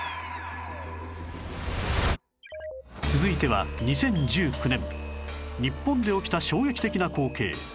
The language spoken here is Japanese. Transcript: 続いては２０１９年日本で起きた衝撃的な光景